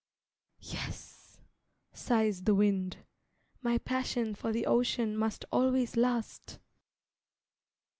"Yes," sighs the wind, "My passion for the Ocean Must always last."